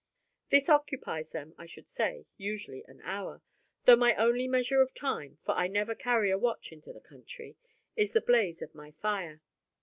This occupies them, I should say, usually an hour, though my only measure of time (for I never carry a watch into the country) is the blaze of my fire.